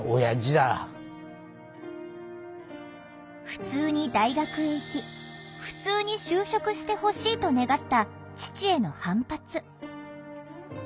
ふつうに大学へ行きふつうに就職してほしいと願った父への反発。